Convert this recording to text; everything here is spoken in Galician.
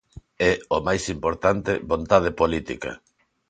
E, o máis importante, vontade política.